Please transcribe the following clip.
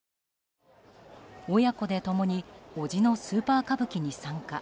親子で共に、伯父の「スーパー歌舞伎」に参加。